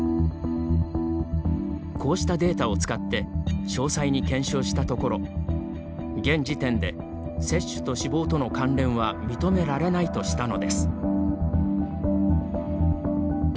こうしたデータを使って詳細に検証したところ「現時点で接種と死亡との関連は認められない」としたのです。